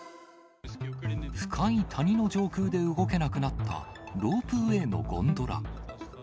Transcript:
深い谷の上空で動けなくなったロープウエーのゴンドラ。